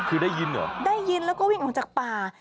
คือได้ยินเหรอได้ยินแล้วก็วิ่งออกจากป่า